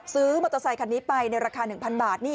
มอเตอร์ไซคันนี้ไปในราคา๑๐๐บาท